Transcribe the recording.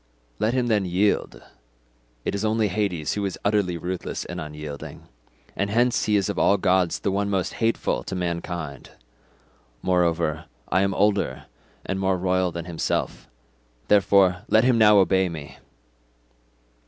Let him then yield; it is only Hades who is utterly ruthless and unyielding—and hence he is of all gods the one most hateful to mankind. Moreover I am older and more royal than himself. Therefore, let him now obey me."